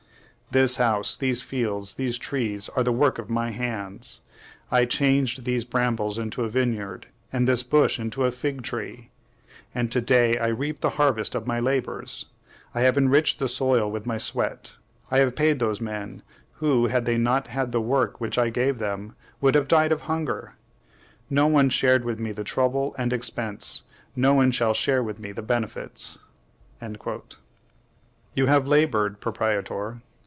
This house, these fields, these trees are the work of my hands; I changed these brambles into a vineyard, and this bush into a fig tree; and to day I reap the harvest of my labors. I have enriched the soil with my sweat; I have paid those men who, had they not had the work which I gave them, would have died of hunger. No one shared with me the trouble and expense; no one shall share with me the benefits." You have labored, proprietor!